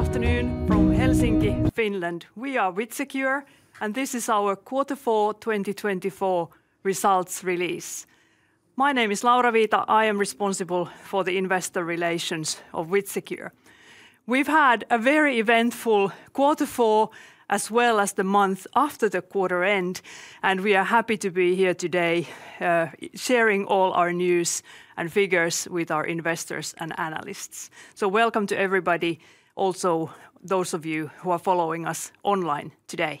Very good afternoon from Helsinki, Finland. We are WithSecure, and this is our Quarter Four 2024 results release. My name is Laura Viita. I am responsible for the investor relations of WithSecure. We've had a very eventful Q4, as well as the month after the quarter end, and we are happy to be here today sharing all our news and figures with our investors and analysts. So welcome to everybody, also those of you who are following us online today.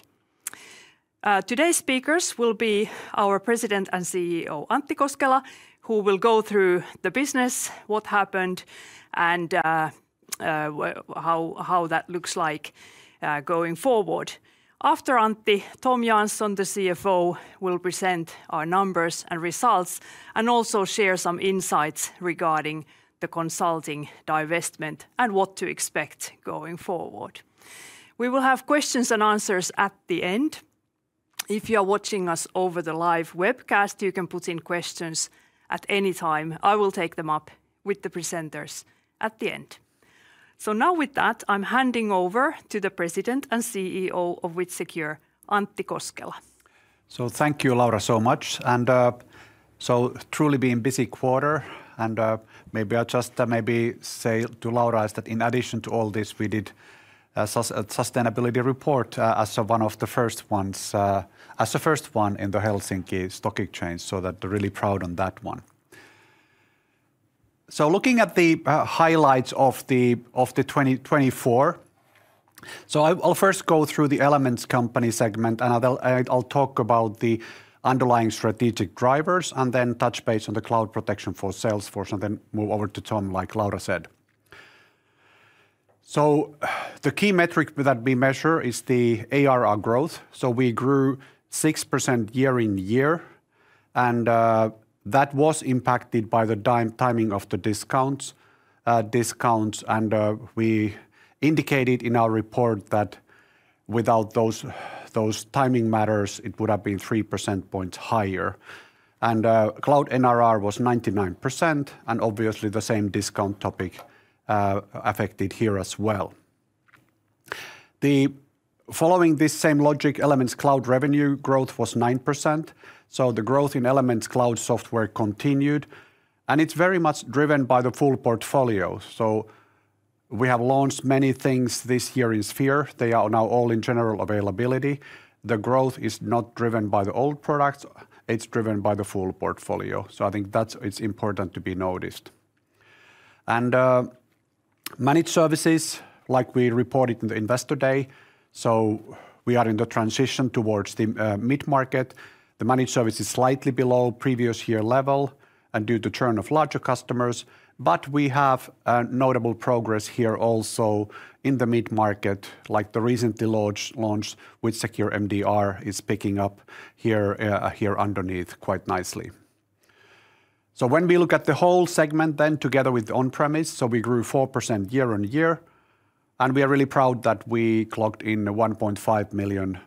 Today's speakers will be our President and CEO, Antti Koskela, who will go through the business, what happened, and how that looks like going forward. After Antti, Tom Jansson, the CFO, will present our numbers and results, and also share some insights regarding the consulting divestment and what to expect going forward. We will have questions and answers at the end. If you are watching us over the live webcast, you can put in questions at any time. I will take them up with the presenters at the end. So now with that, I'm handing over to the President and CEO of WithSecure, Antti Koskela. So, thank you, Laura, so much. And so truly been a busy quarter. And maybe I'll just say to Laura that in addition to all this, we did a sustainability report as one of the first ones in the Helsinki stock exchange, so that they're really proud of that one. So, looking at the highlights of the 2024, so I'll first go through the Elements Company segment, and I'll talk about the underlying strategic drivers, and then touch base on the Cloud Protection for Salesforce, and then move over to Tom, like Laura said. So, the key metric that we measure is the ARR growth. So, we grew 6% year-on-year, and that was impacted by the timing of the discounts. And we indicated in our report that without those timing matters, it would have been 3 percentage points higher. And cloud NRR was 99%, and obviously the same discount topic affected here as well. Following this same logic, Elements Cloud revenue growth was 9%. So the growth in Elements Cloud software continued, and it's very much driven by the full portfolio. So we have launched many things this year in Sphere. They are now all in general availability. The growth is not driven by the old products. It's driven by the full portfolio. So I think that's important to be noticed. And managed services, like we reported in the Investor Day, so we are in the transition towards the mid-market. The managed service is slightly below previous year level and due to churn of larger customers, but we have notable progress here also in the mid-market, like the recently launched WithSecure MDR is picking up here underneath quite nicely. So when we look at the whole segment then together with on-premise, so we grew 4% year on year, and we are really proud that we clocked in 1.5 million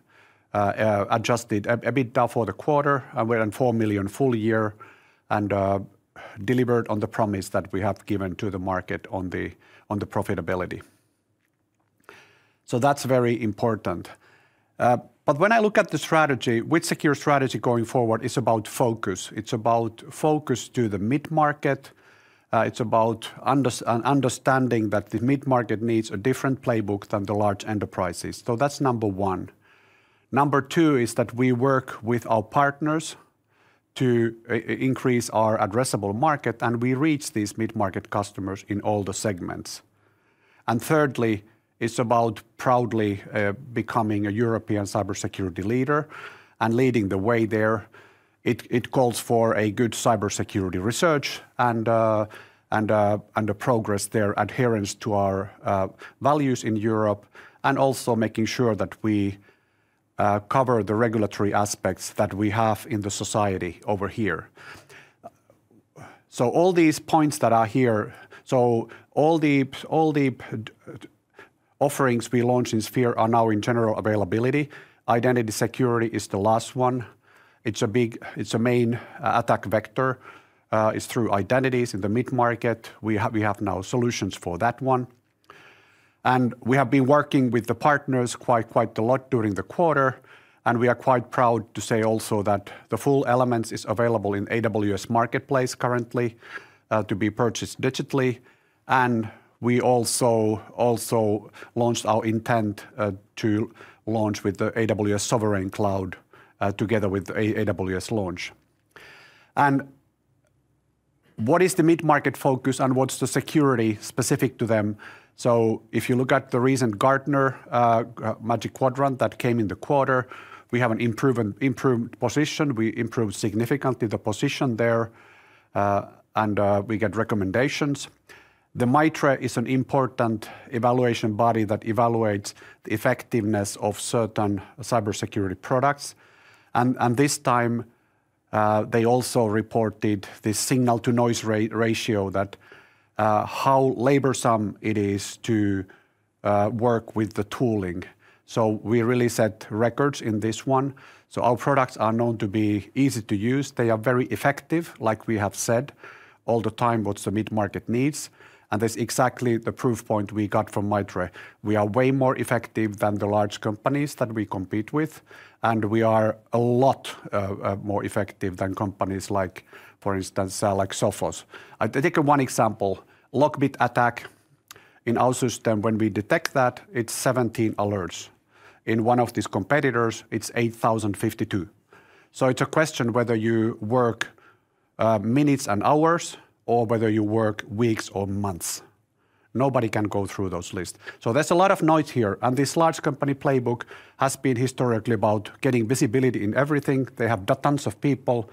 adjusted EBITDA for the quarter, and we're at 4 million full year and delivered on the promise that we have given to the market on the profitability. So that's very important. But when I look at the strategy, WithSecure strategy going forward is about focus. It's about focus to the mid-market. It's about understanding that the mid-market needs a different playbook than the large enterprises. So that's number one. Number two is that we work with our partners to increase our addressable market, and we reach these mid-market customers in all the segments. And thirdly, it's about proudly becoming a European cybersecurity leader and leading the way there. It calls for a good cybersecurity research and the progress, their adherence to our values in Europe, and also making sure that we cover the regulatory aspects that we have in the society over here. All these points that are here, all the offerings we launched in Elements are now in general availability. Identity security is the last one. It's a main attack vector. It's through identities in the mid-market. We have now solutions for that one. And we have been working with the partners quite a lot during the quarter, and we are quite proud to say also that the full Elements is available in AWS Marketplace currently to be purchased digitally. And we also launched our intent to launch with the AWS Sovereign Cloud together with AWS Launch. And what is the mid-market focus and what's the security specific to them? So if you look at the recent Gartner Magic Quadrant that came in the quarter, we have an improved position. We improved significantly the position there, and we get recommendations. The MITRE is an important evaluation body that evaluates the effectiveness of certain cybersecurity products. And this time, they also reported the signal-to-noise ratio, that how laborious it is to work with the tooling. So we really set records in this one. So our products are known to be easy to use. They are very effective, like we have said all the time, what's the mid-market needs? And that's exactly the proof point we got from MITRE. We are way more effective than the large companies that we compete with, and we are a lot more effective than companies like, for instance, like Sophos. I'll take one example. LockBit attack in our system, when we detect that, it's 17 alerts. In one of these competitors, it's 8,052, so it's a question whether you work minutes and hours or whether you work weeks or months. Nobody can go through those lists. So there's a lot of noise here, and this large company playbook has been historically about getting visibility in everything. They have tons of people.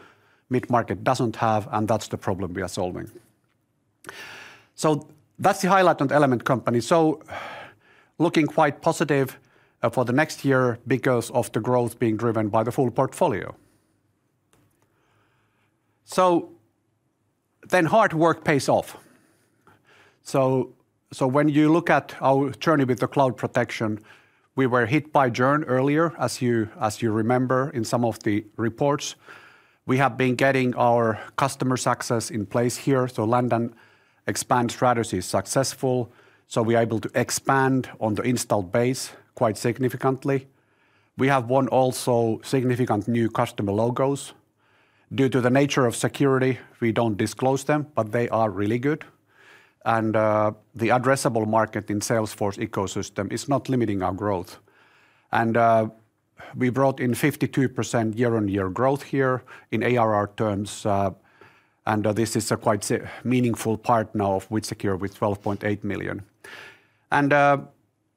Mid-market doesn't have, and that's the problem we are solving. So that's the highlight on Elements Cloud. Looking quite positive for the next year because of the growth being driven by the full portfolio, so then hard work pays off. When you look at our journey with the Cloud Protection, we were hit by Gartner earlier, as you remember in some of the reports. We have been getting our customer success in place here, so land and expand strategy is successful. We are able to expand on the installed base quite significantly. We have won also significant new customer logos. Due to the nature of security, we don't disclose them, but they are really good, and the addressable market in Salesforce ecosystem is not limiting our growth. We brought in 52% year-on-year growth here in ARR terms, and this is a quite meaningful part now of WithSecure with 12.8 million, and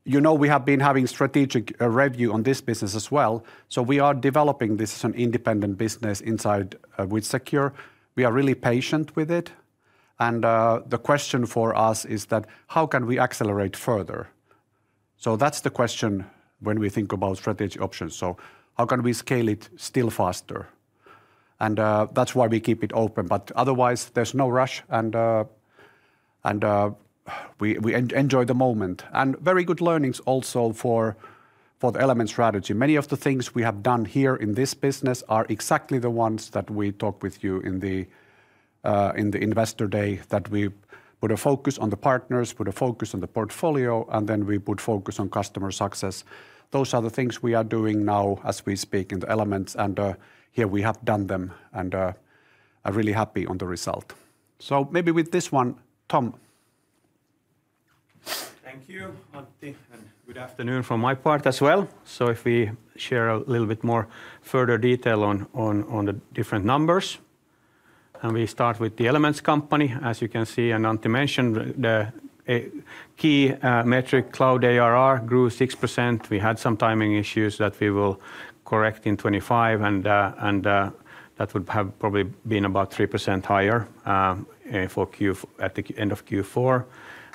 you know we have been having strategic review on this business as well, so we are developing this as an independent business inside WithSecure. We are really patient with it, and the question for us is that how can we accelerate further, so that's the question when we think about strategy options, so how can we scale it still faster, and that's why we keep it open, but otherwise, there's no rush, and we enjoy the moment, and very good learnings also for the Elements strategy. Many of the things we have done here in this business are exactly the ones that we talked with you in the Investor Day that we would have focused on the partners, would have focused on the portfolio, and then we would focus on customer success. Those are the things we are doing now as we speak in the Elements, and here we have done them, and I'm really happy on the result. So maybe with this one, Tom. Thank you, Antti, and good afternoon from my part as well. So if we share a little bit more further detail on the different numbers, and we start with the Elements Company, as you can see, and Antti mentioned, the key metric cloud ARR grew 6%. We had some timing issues that we will correct in 2025, and that would have probably been about 3% higher at the end of Q4.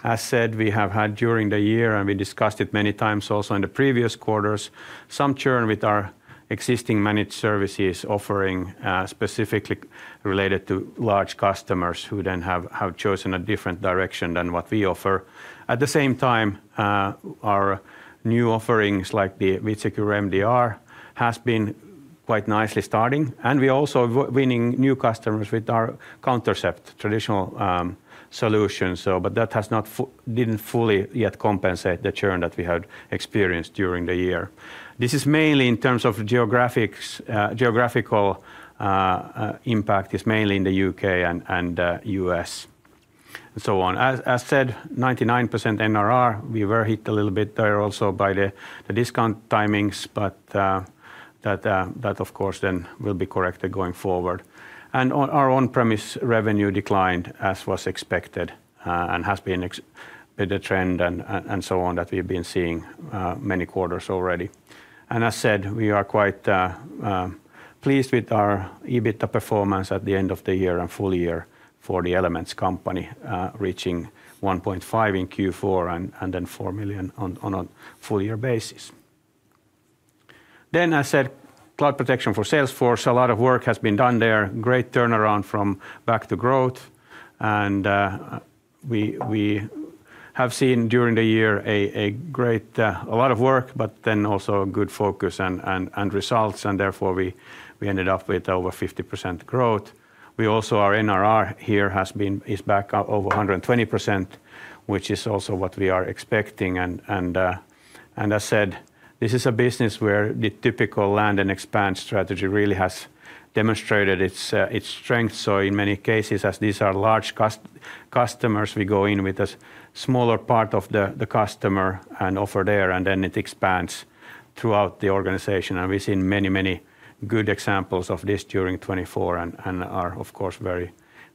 As said, we have had during the year, and we discussed it many times also in the previous quarters, some churn with our existing managed services offering specifically related to large customers who then have chosen a different direction than what we offer. At the same time, our new offerings like the WithSecure MDR have been quite nicely starting, and we are also winning new customers with our Countercept traditional solutions, but that didn't fully yet compensate the churn that we had experienced during the year. This is mainly in terms of geographical impact, is mainly in the U.K. and U.S. and so on. As said, 99% NRR, we were hit a little bit there also by the discount timings, but that of course then will be corrected going forward. Our on-premise revenue declined as was expected and has been a bit of trend and so on that we've been seeing many quarters already. As said, we are quite pleased with our EBITDA performance at the end of the year and full year for the Elements Company, reaching 1.5 million in Q4 and then 4 million on a full year basis. As said, Cloud Protection for Salesforce, a lot of work has been done there, great turnaround from back to growth, and we have seen during the year a great, a lot of work, but then also good focus and results, and therefore we ended up with over 50% growth. We also, our NRR here has been back over 120%, which is also what we are expecting. As said, this is a business where the typical land and expand strategy really has demonstrated its strength. In many cases, as these are large customers, we go in with a smaller part of the customer and offer there, and then it expands throughout the organization. We've seen many, many good examples of this during 2024 and are of course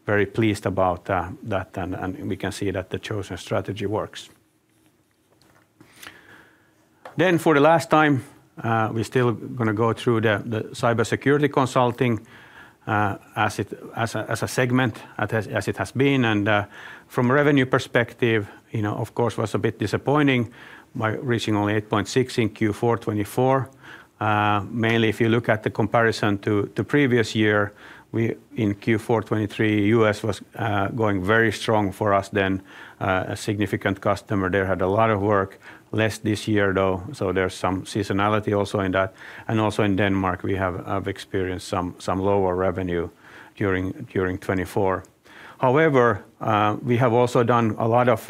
very pleased about that, and we can see that the chosen strategy works. Then for the last time, we're still going to go through the cybersecurity consulting as a segment as it has been. And from a revenue perspective, of course was a bit disappointing by reaching only 8.6 in Q4 2024. Mainly if you look at the comparison to previous year, in Q4 2023, U.S. was going very strong for us then, a significant customer there had a lot of work, less this year though, so there's some seasonality also in that. And also in Denmark, we have experienced some lower revenue during 2024. However, we have also done a lot of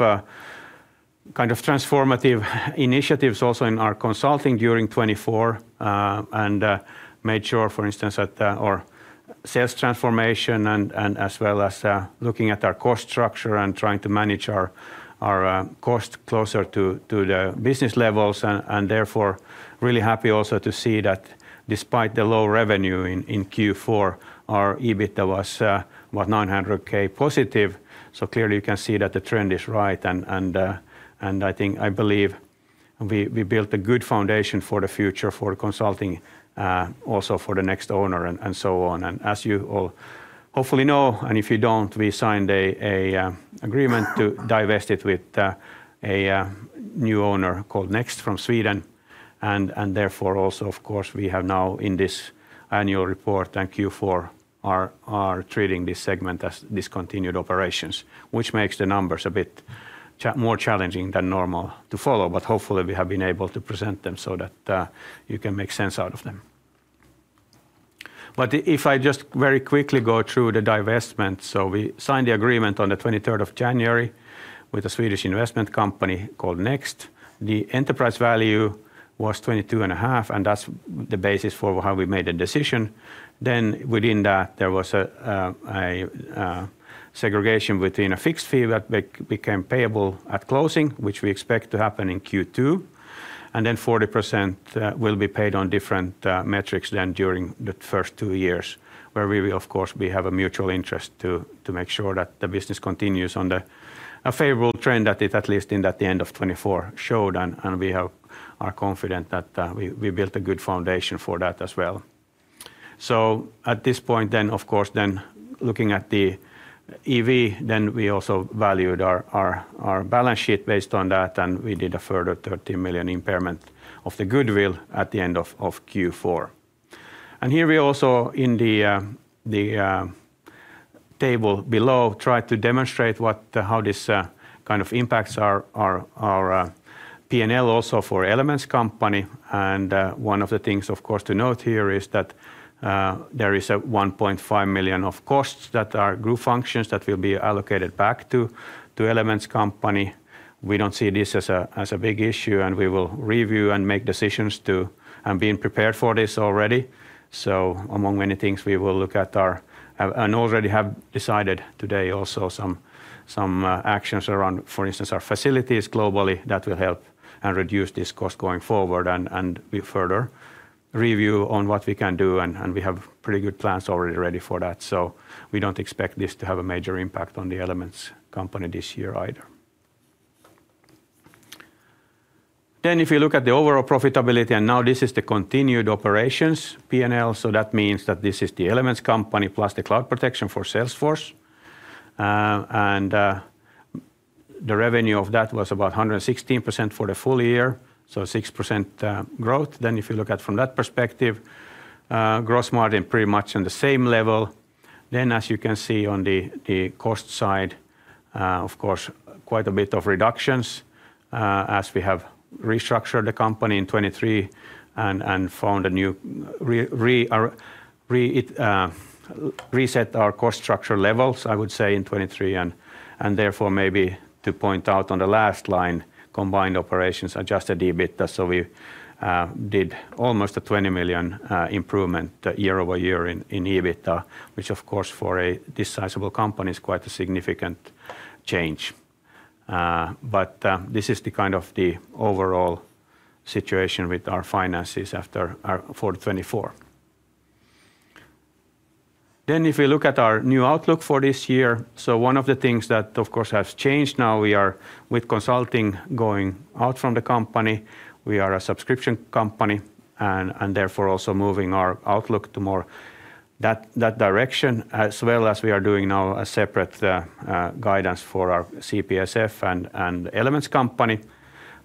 kind of transformative initiatives also in our consulting during 2024 and made sure, for instance, that our sales transformation and as well as looking at our cost structure and trying to manage our cost closer to the business levels. And therefore, really happy also to see that despite the low revenue in Q4, our EBITDA was about 900,000+. So clearly you can see that the trend is right, and I think I believe we built a good foundation for the future for consulting also for the next owner and so on. And as you all hopefully know, and if you don't, we signed an agreement to divest it with a new owner called Neqst from Sweden. And therefore also, of course, we have now in this annual report and Q4 are treating this segment as discontinued operations, which makes the numbers a bit more challenging than normal to follow, but hopefully we have been able to present them so that you can make sense out of them. If I just very quickly go through the divestment, so we signed the agreement on the 23rd of January with a Swedish investment company called Neqst. The enterprise value was 22.5, and that's the basis for how we made a decision. Then within that, there was a segregation between a fixed fee that became payable at closing, which we expect to happen in Q2, and then 40% will be paid on different metrics then during the first two years where we will, of course, have a mutual interest to make sure that the business continues on a favorable trend that it at least in the end of 2024 showed, and we are confident that we built a good foundation for that as well. At this point then, of course, then looking at the EV, then we also valued our balance sheet based on that, and we did a further 30 million impairment of the goodwill at the end of Q4. Here we also in the table below tried to demonstrate how this kind of impacts our P&L also for Elements Company. One of the things, of course, to note here is that there is a 1.5 million of costs that are group functions that will be allocated back to Elements Company. We don't see this as a big issue, and we will review and make decisions to have been prepared for this already. So among many things, we will look at our and already have decided today also some actions around, for instance, our facilities globally that will help and reduce this cost going forward, and we further review on what we can do, and we have pretty good plans already ready for that. So we don't expect this to have a major impact on the Elements Company this year either. Then if you look at the overall profitability, and now this is the continued operations P&L, so that means that this is the Elements Company plus the Cloud Protection for Salesforce. And the revenue of that was about 116% for the full year, so 6% growth. Then if you look at from that perspective, gross margin pretty much on the same level. As you can see on the cost side, of course, quite a bit of reductions as we have restructured the company in 2023 and found a new reset our cost structure levels, I would say in 2023. And therefore maybe to point out on the last line, combined operations adjusted EBITDA, so we did almost a 20 million improvement year over year in EBITDA, which of course for a sizable company is quite a significant change. But this is the kind of the overall situation with our finances after Q4 2024. If we look at our new outlook for this year, so one of the things that of course has changed now, we are with consulting going out from the company. We are a subscription company and therefore also moving our outlook to more that direction as well as we are doing now a separate guidance for our CPSF and Elements Company.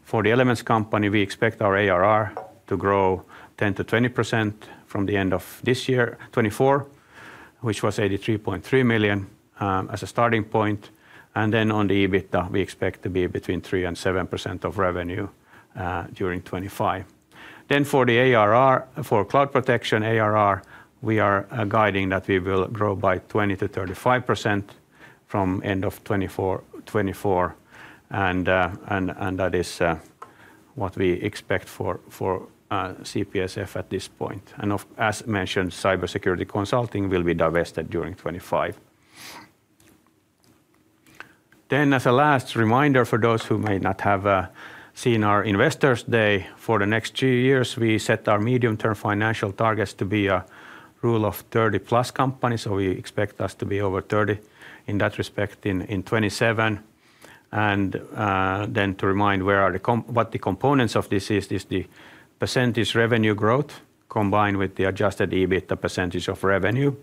For the Elements Company, we expect our ARR to grow 10%-20% from the end of this year, 2024, which was 83.3 million as a starting point. And then on the EBITDA, we expect to be between 3% and 7% of revenue during 2025. Then for the ARR, for Cloud Protection ARR, we are guiding that we will grow by 20%-35% from end of 2024, and that is what we expect for CPSF at this point. And as mentioned, cybersecurity consulting will be divested during 2025. Then as a last reminder for those who may not have seen our Investors Day, for the next two years, we set our medium-term financial targets to be a Rule of 30 plus company, so we expect us to be over 30 in that respect in 2027. And then to remind what the components of this is, is the percentage revenue growth combined with the adjusted EBITDA percentage of revenue,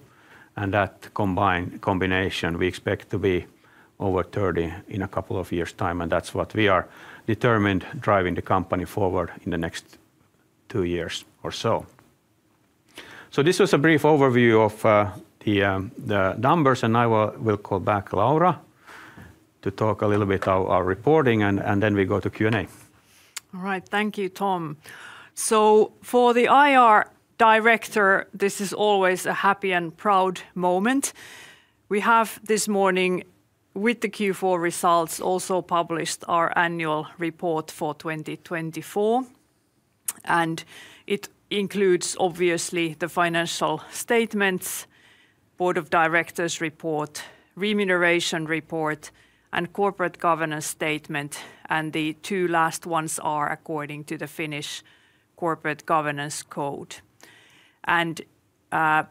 and that combined combination we expect to be over 30 in a couple of years' time, and that's what we are determined driving the company forward in the next two years or so. So this was a brief overview of the numbers, and I will call back Laura to talk a little bit about our reporting, and then we go to Q&A. All right, thank you, Tom. So for the IR Director, this is always a happy and proud moment. We have this morning with the Q4 results also published our annual report for 2024, and it includes obviously the financial statements, board of directors report, remuneration report, and corporate governance statement, and the two last ones are according to the Finnish Corporate Governance Code. And our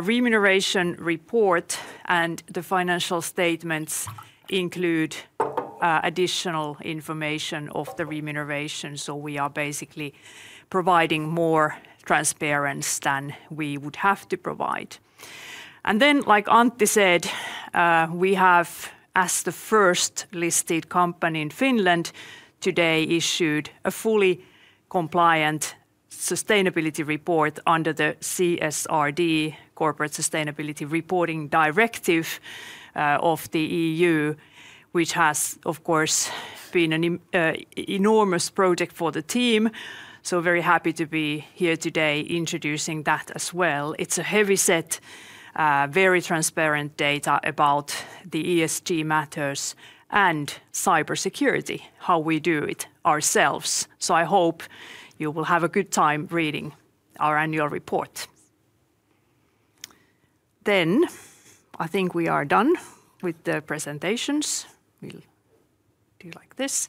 remuneration report and the financial statements include additional information of the remuneration, so we are basically providing more transparency than we would have to provide. And then, like Antti said, we have, as the first listed company in Finland today, issued a fully compliant sustainability report under the CSRD, Corporate Sustainability Reporting Directive of the EU, which has of course been an enormous project for the team, so very happy to be here today introducing that as well. It's a heavy set, very transparent data about the ESG matters and cybersecurity, how we do it ourselves. So I hope you will have a good time reading our annual report. Then I think we are done with the presentations. We'll do like this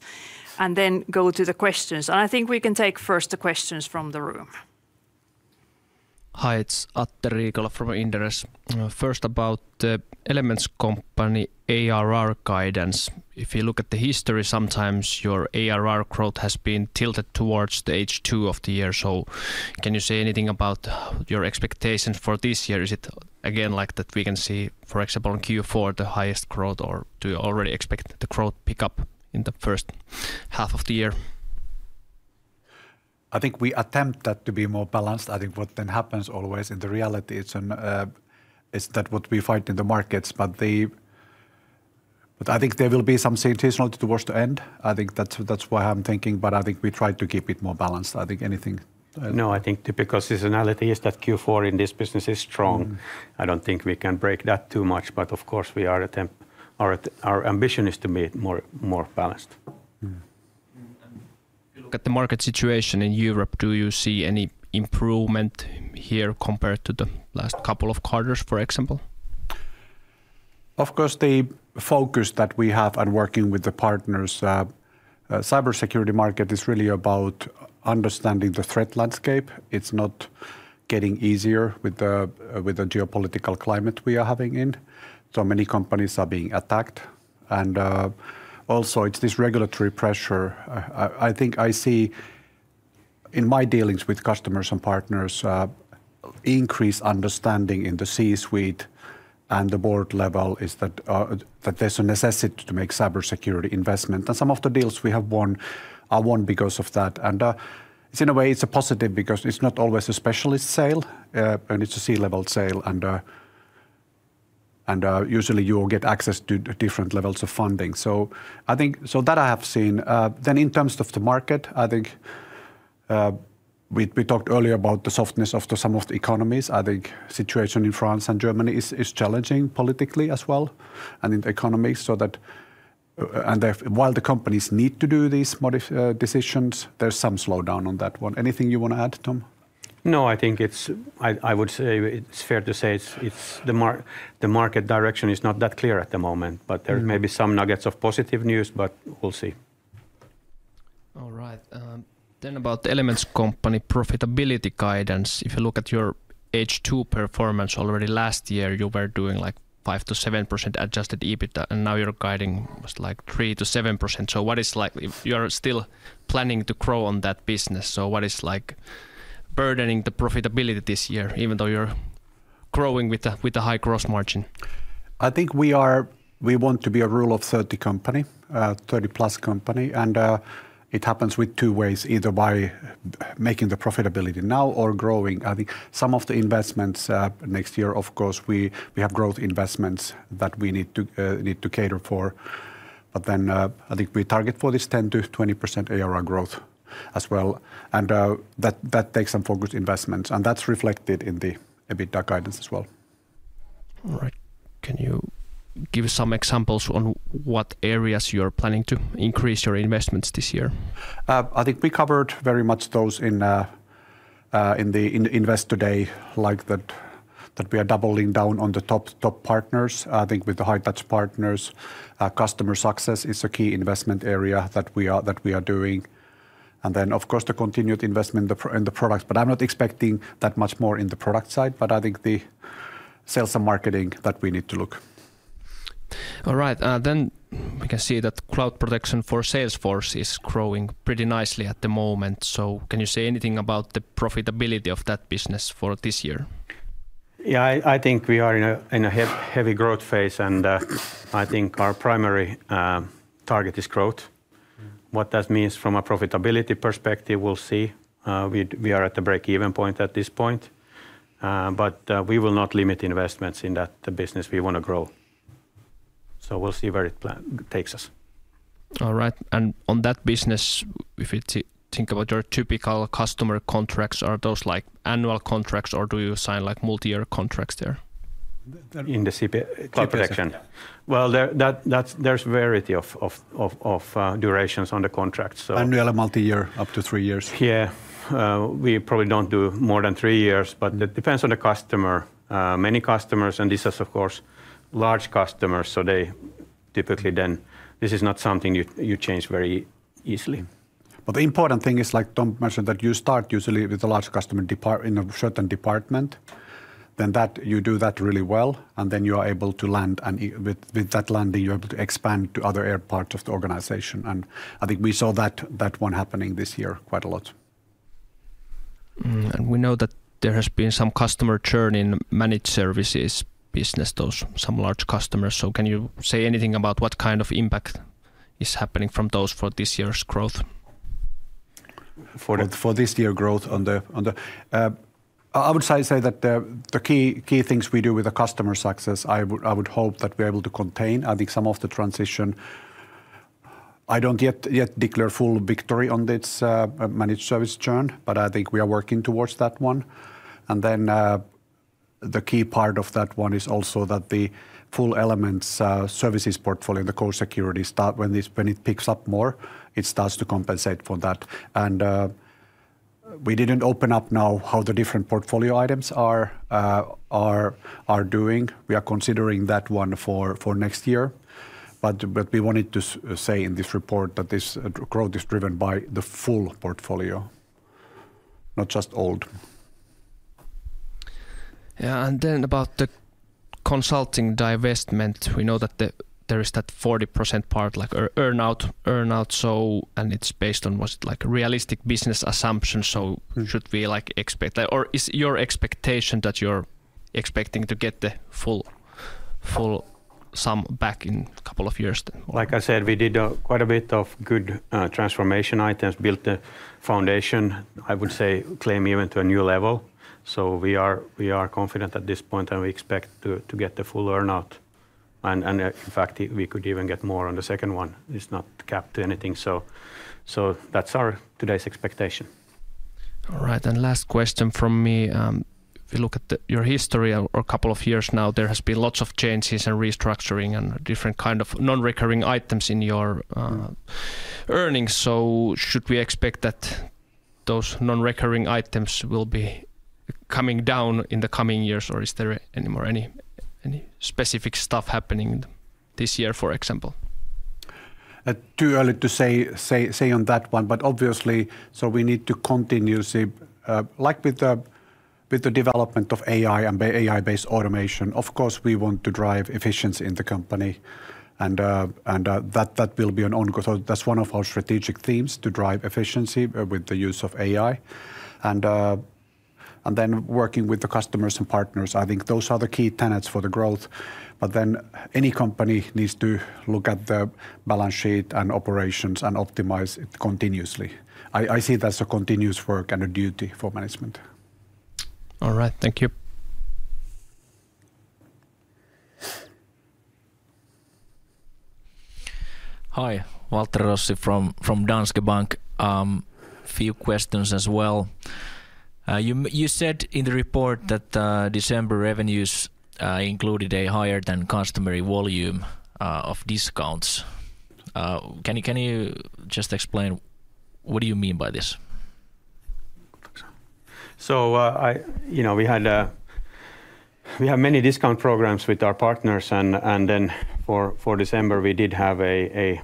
and then go to the questions, and I think we can take first the questions from the room. Hi, it's Atte Riikola from Inderes. First about the Elements Company ARR guidance. If you look at the history, sometimes your ARR growth has been tilted towards the H2 of the year. So can you say anything about your expectations for this year? Is it again like that we can see, for example, in Q4 the highest growth, or do you already expect the growth pickup in the first half of the year? I think we attempt that to be more balanced. I think what then happens always in the reality is that what we fight in the markets, but I think there will be some seasonality towards the end. I think that's why I'm thinking, but I think we try to keep it more balanced. I think anything. No, I think typical seasonality is that Q4 in this business is strong. I don't think we can break that too much, but of course our ambition is to be more balanced. Look at the market situation in Europe, do you see any improvement here compared to the last couple of quarters, for example? Of course, the focus that we have on working with the partners. Cybersecurity market is really about understanding the threat landscape. It's not getting easier with the geopolitical climate we are having in, so many companies are being attacked, and also it's this regulatory pressure. I think I see in my dealings with customers and partners increased understanding in the C-suite and the board level, that there's a necessity to make cybersecurity investment, and some of the deals we have won are won because of that, and in a way, it's a positive because it's not always a specialist sale, and it's a C-level sale, and usually you will get access to different levels of funding, so that I have seen, then in terms of the market, I think we talked earlier about the softness of some of the economies. I think the situation in France and Germany is challenging politically as well and in the economy, so that while the companies need to do these decisions, there's some slowdown on that one. Anything you want to add, Tom? No, I think, I would say it's fair to say the market direction is not that clear at the moment, but there may be some nuggets of positive news, but we'll see. All right, then about the Elements Company profitability guidance. If you look at your H2 performance already last year, you were doing like 5%-7% adjusted EBITDA, and now you're guiding like 3%-7%. So what is like, you are still planning to grow on that business, so what is like burdening the profitability this year, even though you're growing with a high gross margin? I think we want to be a Rule of 30 company, 30+ company, and it happens with two ways, either by making the profitability now or growing. I think some of the investments next year, of course, we have growth investments that we need to cater for, but then I think we target for this 10%-20% ARR growth as well, and that takes some focused investments, and that's reflected in the EBITDA guidance as well. All right, can you give some examples on what areas you are planning to increase your investments this year? I think we covered very much those in the Invest Today, like that we are doubling down on the top partners. I think with the high-touch partners, customer success is a key investment area that we are doing, and then of course the continued investment in the products, but I'm not expecting that much more in the product side, but I think the sales and marketing that we need to look. All right, then we can see that Cloud Protection for Salesforce is growing pretty nicely at the moment, so can you say anything about the profitability of that business for this year? Yeah, I think we are in a heavy growth phase, and I think our primary target is growth. What that means from a profitability perspective, we'll see. We are at a break-even point at this point, but we will not limit investments in that business. We want to grow, so we'll see where it takes us. All right, and on that business, if you think about your typical customer contracts, are those like annual contracts or do you sign like multi-year contracts there? In the Cloud Protection? There's variety of durations on the contracts. Annual, multi-year, up to three years. Yeah, we probably don't do more than three years, but it depends on the customer. Many customers, and this is of course large customers, so they typically then this is not something you change very easily. But the important thing is, like Tom mentioned, that you start usually with a large customer in a certain department, then that you do that really well, and then you are able to land, and with that landing, you're able to expand to other parts of the organization, and I think we saw that one happening this year quite a lot. We know that there has been some customer churn in managed services business, those large customers, so can you say anything about what kind of impact is happening from those for this year's growth? For this year's growth on the, I would say that the key things we do with the customer success, I would hope that we are able to contain, I think some of the transition. I don't yet declare full victory on this managed service churn, but I think we are working towards that one, and then the key part of that one is also that the full Elements services portfolio, the core security, when it picks up more, it starts to compensate for that, and we didn't open up now how the different portfolio items are doing. We are considering that one for next year, but we wanted to say in this report that this growth is driven by the full portfolio, not just o`ld. Yeah, and then about the consulting divestment, we know that there is that 40% part like earn-out, and it's based on, was it like realistic business assumptions, so should we like expect, or is your expectation that you're expecting to get the full sum back in a couple of years? Like I said, we did quite a bit of good transformation items, built the foundation, I would say taken even to a new level, so we are confident at this point, and we expect to get the full earn-out, and in fact, we could even get more on the second one. It's not capped to anything, so that's our today's expectation. All right, and last question from me. If you look at your history over a couple of years now, there has been lots of changes and restructuring and different kind of non-recurring items in your earnings, so should we expect that those non-recurring items will be coming down in the coming years, or is there any more specific stuff happening this year, for example? Too early to say on that one, but obviously, so we need to continuously, like with the development of AI and AI-based automation, of course we want to drive efficiency in the company, and that will be an ongoing, so that's one of our strategic themes to drive efficiency with the use of AI, and then working with the customers and partners. I think those are the key tenets for the growth, but then any company needs to look at the balance sheet and operations and optimize it continuously. I see that's a continuous work and a duty for management. All right, thank you. Hi, Waltteri Rossi from Danske Bank. A few questions as well. You said in the report that December revenues included a higher than customary volume of discounts. Can you just explain what you mean by this? So we have many discount programs with our partners, and then for December, we did have an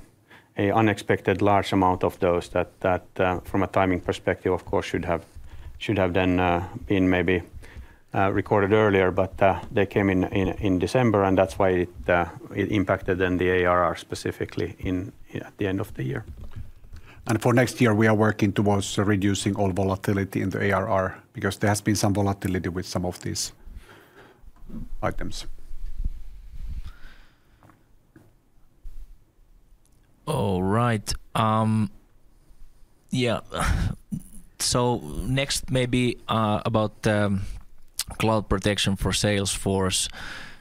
unexpected large amount of those that from a timing perspective, of course, should have then been maybe recorded earlier, but they came in December, and that's why it impacted then the ARR specifically at the end of the year. And for next year, we are working towards reducing all volatility in the ARR because there has been some volatility with some of these items. All right, yeah, so next maybe about the Cloud Protection for Salesforce.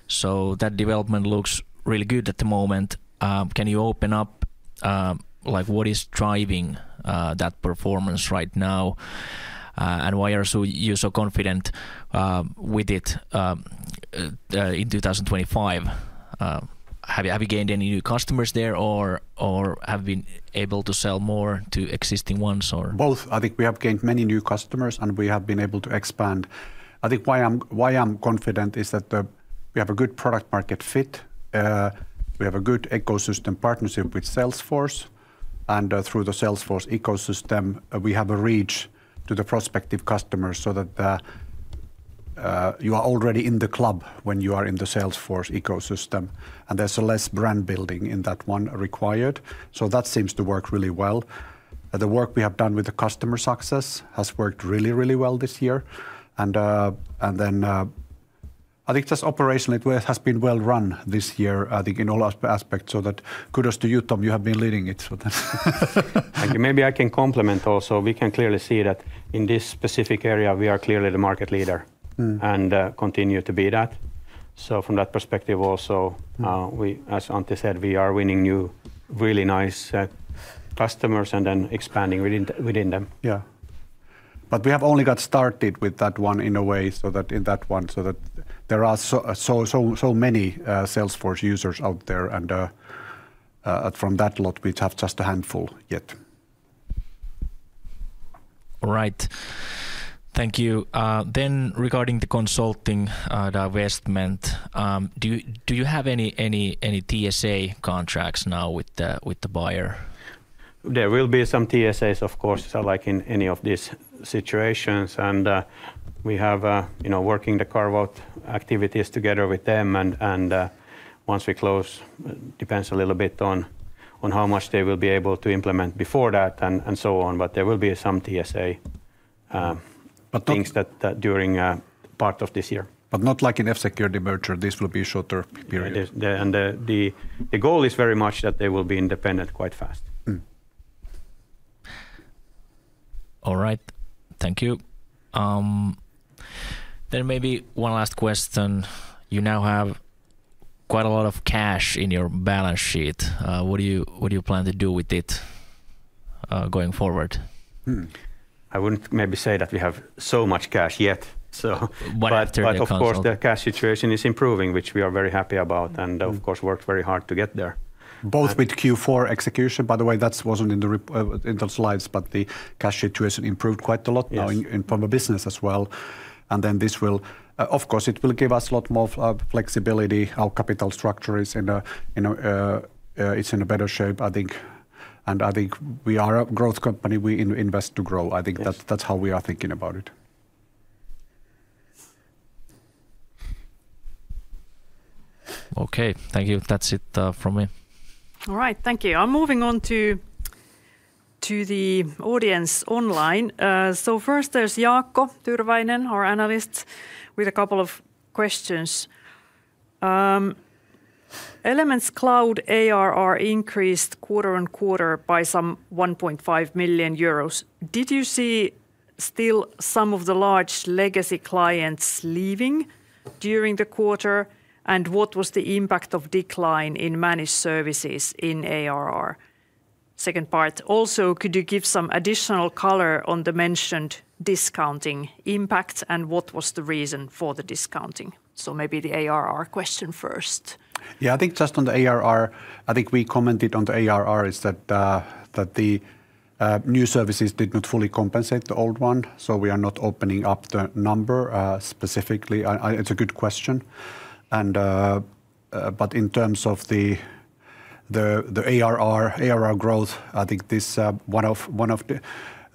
So that development looks really good at the moment. Can you open up like what is driving that performance right now, and why are you so confident with it in 2025? Have you gained any new customers there, or have you been able to sell more to existing ones, or? Both. I think we have gained many new customers, and we have been able to expand. I think why I'm confident is that we have a good product-market fit. We have a good ecosystem partnership with Salesforce, and through the Salesforce ecosystem, we have a reach to the prospective customers so that you are already in the club when you are in the Salesforce ecosystem, and there's less brand building in that one required, so that seems to work really well. The work we have done with the customer success has worked really, really well this year, and then I think just operationally, it has been well run this year, I think in all aspects, so that kudos to you, Tom, you have been leading it. Thank you. Maybe I can complement also. We can clearly see that in this specific area, we are clearly the market leader and continue to be that, so from that perspective also, as Antti said, we are winning new really nice customers and then expanding within them. Yeah, but we have only got started with that one in a way, so there are so many Salesforce users out there, and from that lot, we have just a handful yet. All right, thank you. Then regarding the consulting divestment, do you have any TSA contracts now with the buyer? There will be some TSAs, of course, like in any of these situations, and we have working the carve-out activities together with them, and once we close, it depends a little bit on how much they will be able to implement before that and so on, but there will be some TSA things during part of this year. But not like in F-Secure the merger, this will be a shorter period. The goal is very much that they will be independent quite fast. All right, thank you. Then maybe one last question. You now have quite a lot of cash in your balance sheet. What do you plan to do with it going forward? I wouldn't maybe say that we have so much cash yet, so but of course, the cash situation is improving, which we are very happy about, and of course, worked very hard to get there. Both with Q4 execution, by the way, that wasn't in the slides, but the cash situation improved quite a lot now in from a business as well, and then this will, of course, it will give us a lot more flexibility. Our capital structure is in a better shape, I think, and I think we are a growth company. We invest to grow. I think that's how we are thinking about it. Okay, thank you. That's it from me. All right, thank you. I'm moving on to the audience online. First, there's Jaakko Tyrväinen, our analyst, with a couple of questions. Elements Cloud ARR increased quarter on quarter by some 1.5 million euros. Did you see still some of the large legacy clients leaving during the quarter, and what was the impact of decline in managed services in ARR? Second part, also, could you give some additional color on the mentioned discounting impact, and what was the reason for the discounting? Maybe the ARR question first. Yeah, I think just on the ARR, I think we commented on the ARR, that the new services did not fully compensate the old one, so we are not opening up the number specifically. It's a good question, but in terms of the ARR growth, I think this is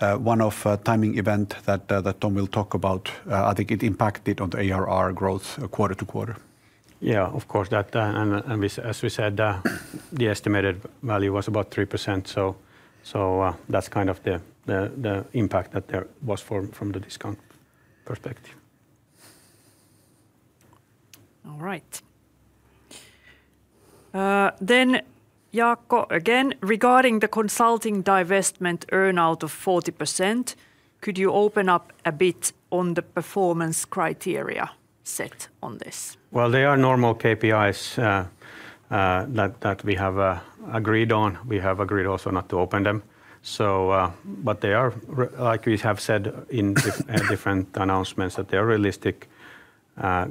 a timing event that Tom will talk about, I think it impacted on the ARR growth quarter to quarter. Yeah, of course, that, and as we said, the estimated value was about 3%, so that's kind of the impact that there was from the discount perspective. All right, then Jaakko again, regarding the consulting divestment earn-out of 40%, could you open up a bit on the performance criteria set on this? They are normal KPIs that we have agreed on. We have agreed also not to open them, but they are, like we have said in different announcements, that they are realistic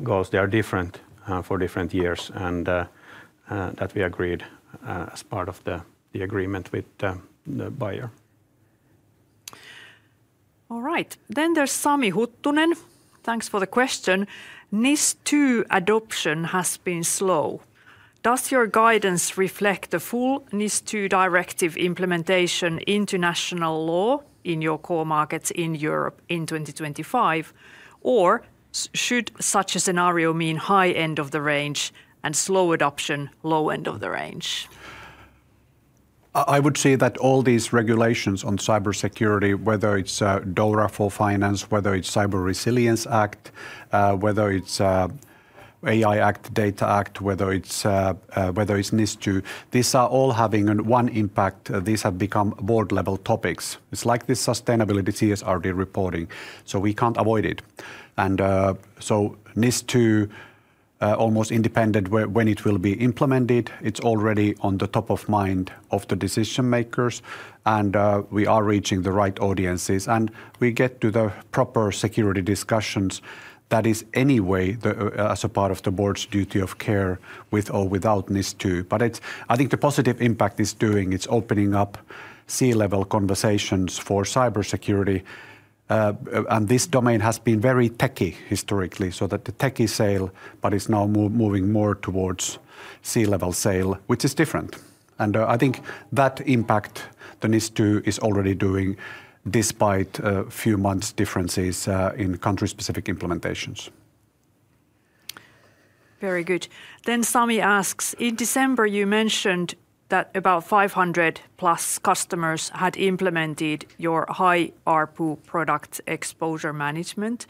goals. They are different for different years, and that we agreed as part of the agreement with the buyer. All right, then there's Sami Huttunen. Thanks for the question. NIS2 adoption has been slow. Does your guidance reflect the full NIS2 directive implementation into national law in your core markets in Europe in 2025, or should such a scenario mean high end of the range and slow adoption, low end of the range? I would say that all these regulations on cybersecurity, whether it's DORA for Finance, whether it's Cyber Resilience Act, whether it's AI Act, Data Act, whether it's NIS2, these are all having one impact. These have become board-level topics. It's like this sustainability CSRD reporting, so we can't avoid it, and so NIS2, almost independent when it will be implemented, it's already on the top of mind of the decision makers, and we are reaching the right audiences, and we get to the proper security discussions. That is anyway as a part of the board's duty of care with or without NIS2, but I think the positive impact is doing. It's opening up C-level conversations for cybersecurity, and this domain has been very techie historically, so that the techie sale, but it's now moving more towards C-level sale, which is different, and I think that impact the NIS2 is already doing despite a few months differences in country-specific implementations. Very good. Then Sami asks, in December, you mentioned that about 500+ customers had implemented your high ARPU product Exposure Management.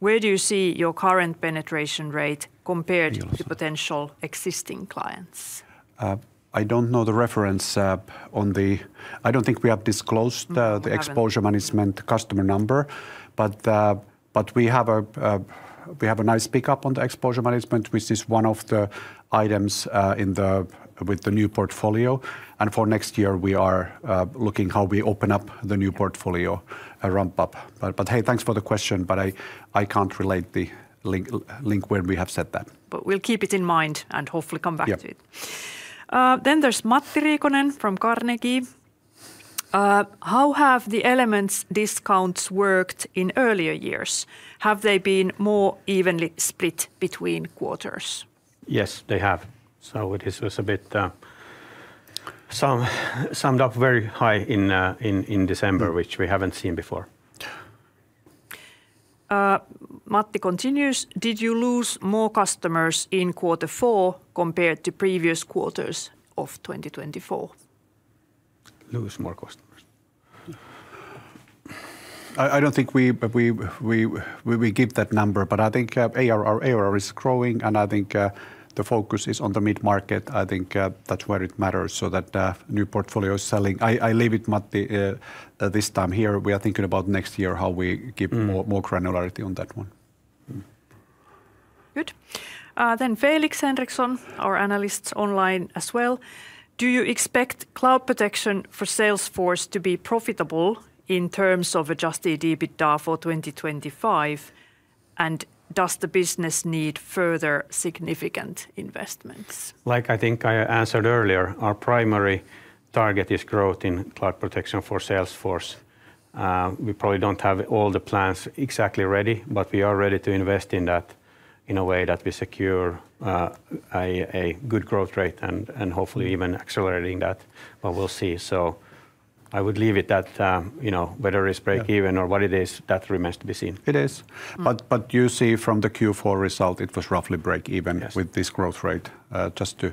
Where do you see your current penetration rate compared to potential existing clients? I don't know the reference on the. I don't think we have disclosed the exposure management customer number, but we have a nice pickup on the exposure management, which is one of the items with the new portfolio, and for next year, we are looking how we open up the new portfolio ramp-up, but hey, thanks for the question, but I can't relate the link when we have said that. But we'll keep it in mind and hopefully come back to it. Then there's Matti Riikonen from Carnegie. How have the Elements discounts worked in earlier years? Have they been more evenly split between quarters? Yes, they have, so it was a bit summed up very high in December, which we haven't seen before. Matti continues: Did you lose more customers in quarter four compared to previous quarters of 2024? Lose more customers. I don't think we give that number, but I think ARR is growing, and I think the focus is on the mid-market. I think that's where it matters so that new portfolio is selling. I leave it, Matti, this time here. We are thinking about next year how we give more granularity on that one. Good. Then Felix Henriksson, our analyst online as well. Do you expect Cloud Protection for Salesforce to be profitable in terms of adjusted EBITDA for 2025, and does the business need further significant investments? Like I think I answered earlier, our primary target is growth in Cloud Protection for Salesforce. We probably don't have all the plans exactly ready, but we are ready to invest in that in a way that we secure a good growth rate and hopefully even accelerating that, but we'll see. So I would leave it that whether it's break-even or what it is, that remains to be seen. It is, but you see from the Q4 result, it was roughly break-even with this growth rate just to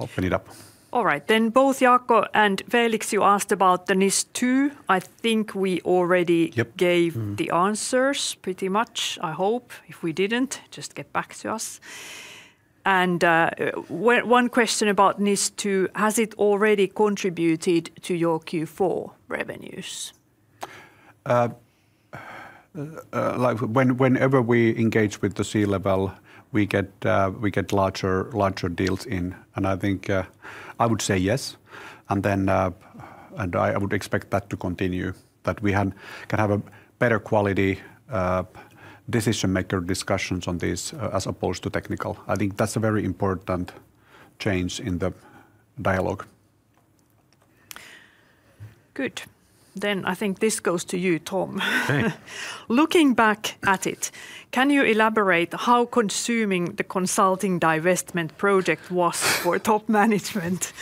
open it up. All right, then both Jaakko and Felix, you asked about the NIS2. I think we already gave the answers pretty much, I hope. If we didn't, just get back to us. And one question about NIS2, has it already contributed to your Q4 revenues? Whenever we engage with the C-level, we get larger deals in, and I think I would say yes, and I would expect that to continue, that we can have a better quality decision-maker discussions on this as opposed to technical. I think that's a very important change in the dialogue. Good. Then I think this goes to you, Tom. Looking back at it, can you elaborate how consuming the consulting divestment project was for top management?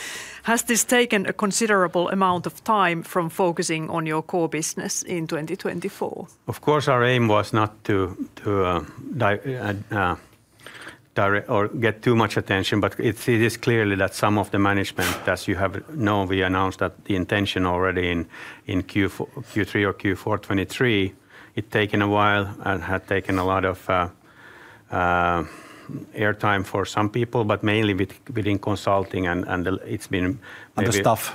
Has this taken a considerable amount of time from focusing on your core business in 2024? Of course, our aim was not to get too much attention, but it is clear that some of the management, as you have known, we announced that the intention already in Q3 or Q4 2023, it's taken a while and had taken a lot of airtime for some people, but mainly within consulting, and it's been. The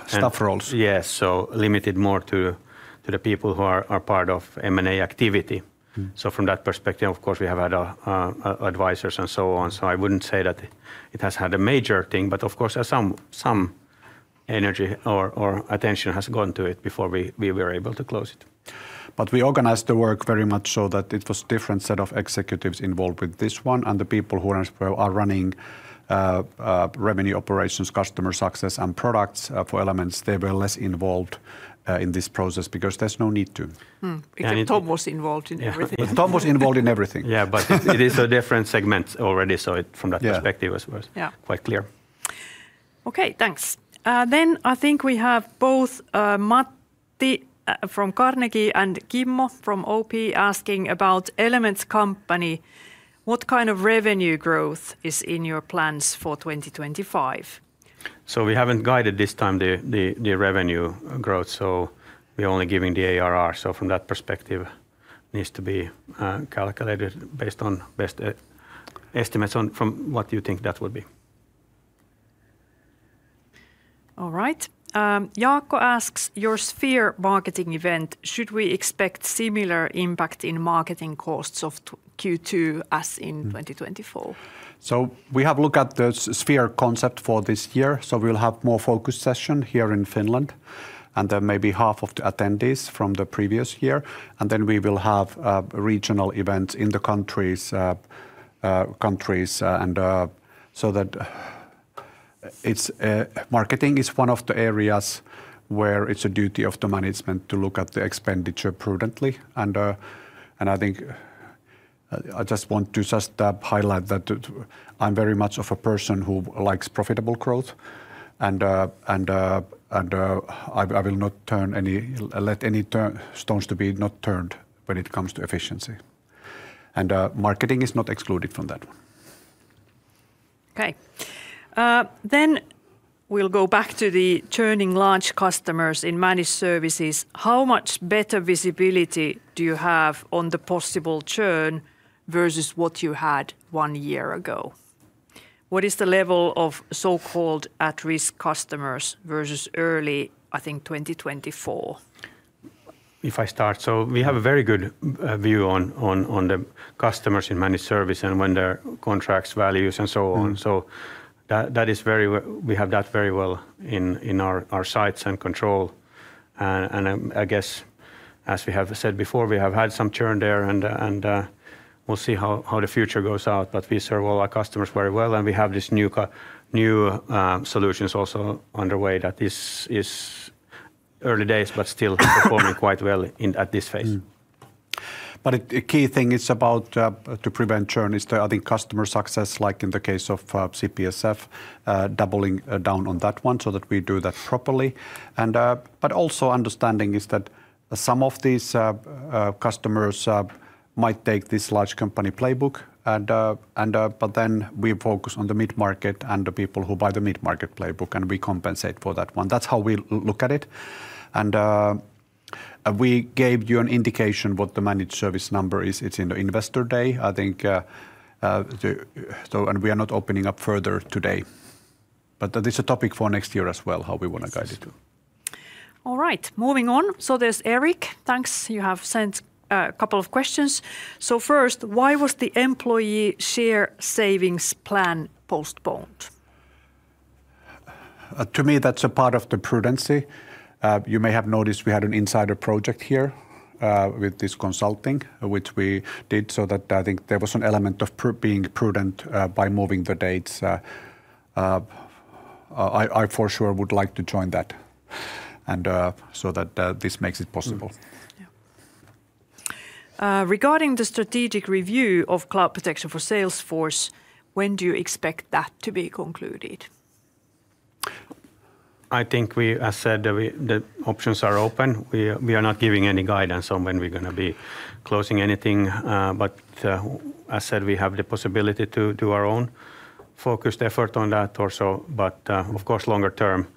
staff roles. Yes, so limited more to the people who are part of M&A activity. So from that perspective, of course, we have had advisors and so on, so I wouldn't say that it has had a major thing, but of course, some energy or attention has gone to it before we were able to close it. But we organized the work very much so that it was a different set of executives involved with this one, and the people who are running revenue operations, customer success, and products for Elements. They were less involved in this process because there's no need to. Tom was involved in everything. Tom was involved in everything. Yeah, but it is a different segment already, so from that perspective, it was quite clear. Okay, thanks. Then I think we have both Matti from Carnegie and Kimmo from OP asking about Elements Company. What kind of revenue growth is in your plans for 2025? We haven't guided this time the revenue growth, so we're only giving the ARR, so from that perspective, it needs to be calculated based on best estimates on what you think that would be. All right, Jaakko asks, your Sphere marketing event. Should we expect similar impact in marketing costs of Q2 as in 2024? We have looked at the sphere concept for this year, so we'll have more focus session here in Finland, and then maybe half of the attendees from the previous year, and then we will have regional events in the countries and so that it's marketing is one of the areas where it's a duty of the management to look at the expenditure prudently. I think I just want to just highlight that I'm very much of a person who likes profitable growth, and I will not turn any, let any stones to be not turned when it comes to efficiency, and marketing is not excluded from that. Okay, then we'll go back to the churning large customers in managed services. How much better visibility do you have on the possible churn versus what you had one year ago? What is the level of so-called at-risk customers versus early, I think, 2024? If I start, so we have a very good view on the customers in managed service and when their contracts, values, and so on, so that is very, we have that very well in our sights and control, and I guess as we have said before, we have had some churn there, and we'll see how the future goes out, but we serve all our customers very well, and we have these new solutions also underway that is early days, but still performing quite well at this phase. But the key thing is about to prevent churn is, I think, customer success, like in the case of CPSF, doubling down on that one so that we do that properly, but also understanding is that some of these customers might take this large company playbook, but then we focus on the mid-market and the people who buy the mid-market playbook, and we compensate for that one. That's how we look at it, and we gave you an indication what the managed service number is. It's in the Investor Day, I think, and we are not opening up further today, but that is a topic for next year as well, how we want to guide it. All right, moving on, so there's Eric. Thanks, you have sent a couple of questions. So first, why was the employee share savings plan postponed? To me, that's a part of the prudence. You may have noticed we had an insider project here with this consulting, which we did so that I think there was an element of being prudent by moving the dates. I for sure would like to join that, and so that this makes it possible. Regarding the strategic review of Cloud Protection for Salesforce, when do you expect that to be concluded? I think we, as said, the options are open. We are not giving any guidance on when we're going to be closing anything, but as said, we have the possibility to do our own focused effort on that also, but of course, longer term,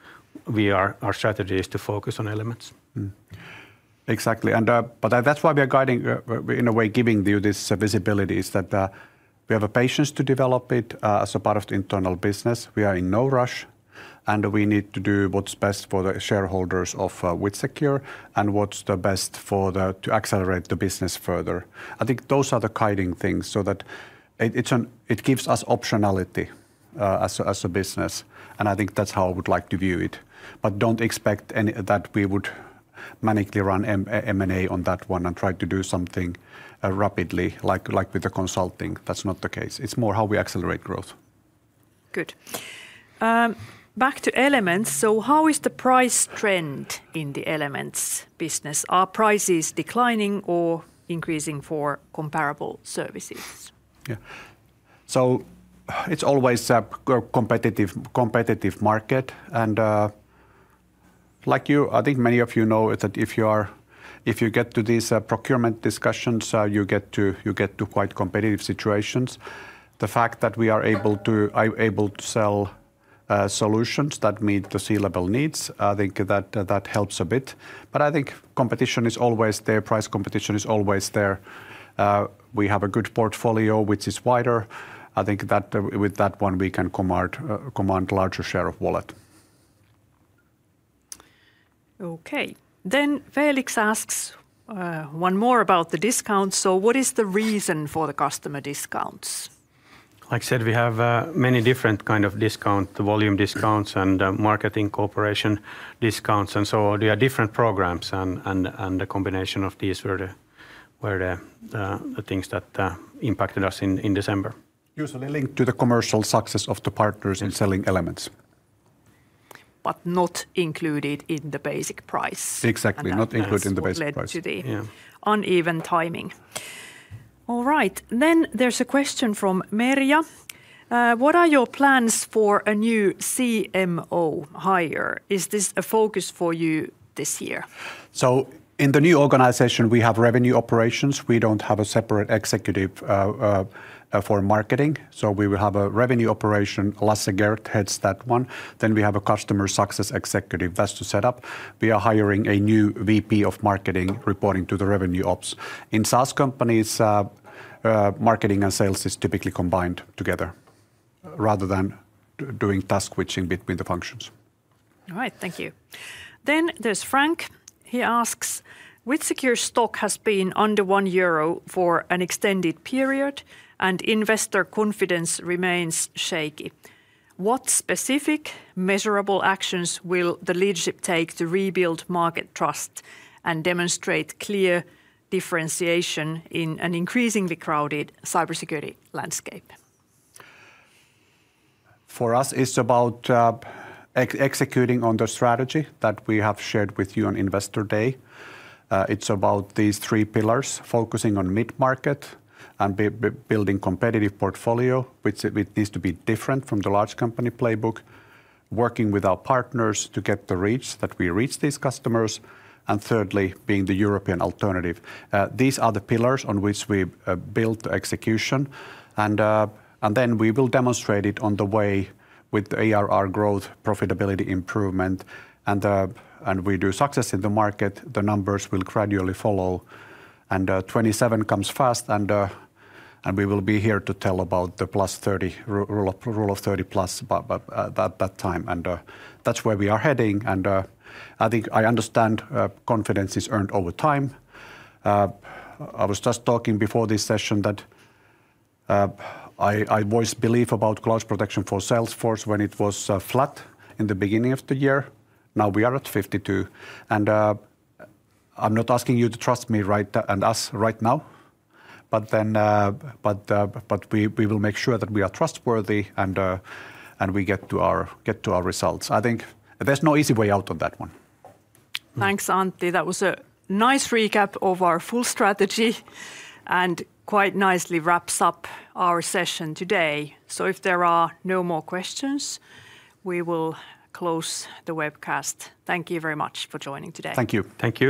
our strategy is to focus on Elements. Exactly, and that's why we are guiding in a way, giving you this visibility is that we have a patience to develop it as a part of the internal business. We are in no rush, and we need to do what's best for the shareholders of WithSecure and what's the best to accelerate the business further. I think those are the guiding things so that it gives us optionality as a business, and I think that's how I would like to view it, but don't expect that we would manically run M&A on that one and try to do something rapidly like with the consulting. That's not the case. It's more how we accelerate growth. Good. Back to Elements, so how is the price trend in the Elements business? Are prices declining or increasing for comparable services? Yeah, so it's always a competitive market, and like you, I think many of you know that if you get to these procurement discussions, you get to quite competitive situations. The fact that we are able to sell solutions that meet the C-level needs, I think that helps a bit, but I think competition is always there. Price competition is always there. We have a good portfolio, which is wider. I think that with that one, we can command a larger share of wallet. Okay, then Felix asks one more about the discounts. So what is the reason for the customer discounts? Like I said, we have many different kinds of discounts, volume discounts, and marketing cooperation discounts, and so there are different programs, and the combination of these were the things that impacted us in December. Usually linked to the commercial success of the partners in selling Elements. But not included in the basic price. Exactly, not included in the basic price. Uneven timing. All right, then there's a question from Merja. What are your plans for a new CMO hire? Is this a focus for you this year? So in the new organization, we have revenue operations. We don't have a separate executive for marketing, so we will have a revenue operation, Lasse Gerdt heads that one. Then we have a customer success executive. That's to set up. We are hiring a new VP of marketing, reporting to the revenue ops. In SaaS companies, marketing and sales is typically combined together rather than doing task switching between the functions. All right, thank you. Then there's Frank. He asks, WithSecure's stock has been under 1 euro for an extended period, and investor confidence remains shaky. What specific measurable actions will the leadership take to rebuild market trust and demonstrate clear differentiation in an increasingly crowded cybersecurity landscape? For us, it's about executing on the strategy that we have shared with you on Investor Day. It's about these three pillars: focusing on mid-market and building a competitive portfolio, which needs to be different from the large company playbook, working with our partners to get the reach to reach these customers, and thirdly, being the European alternative. These are the pillars on which we build the execution, and then we will demonstrate it along the way with the ARR growth, profitability improvement, and our success in the market. The numbers will gradually follow, and 2027 comes fast, and we will be here to tell about the +30, Rule of 30+ at that time, and that's where we are heading, and I think you understand confidence is earned over time. I was just talking before this session that I voiced belief about Cloud Protection for Salesforce when it was flat in the beginning of the year. Now we are at 52, and I'm not asking you to trust me and us right now, but we will make sure that we are trustworthy and we get to our results. I think there's no easy way out on that one. Thanks, Antti. That was a nice recap of our full strategy and quite nicely wraps up our session today. So if there are no more questions, we will close the webcast. Thank you very much for joining today. Thank you. Thank you.